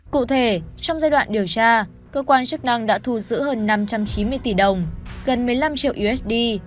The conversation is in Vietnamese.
cụ thể trong giai đoạn điều tra cơ quan chức năng đã thu giữ hơn năm trăm chín mươi tỷ đồng gần một mươi năm triệu usd